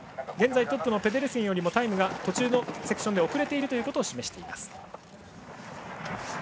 現在トップのペデルセンよりタイムが途中のセクションで遅れているということを示します。